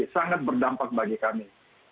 sangat berdampak bagi kami